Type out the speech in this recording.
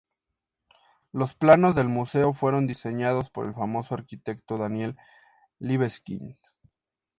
Los planos del museo fueron diseñados por el famoso arquitecto Daniel Libeskind.